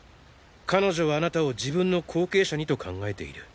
彼女はあなたを自分の後継者にと考えている。